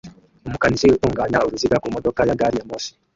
Umukanishi utunganya uruziga ku modoka ya gari ya moshi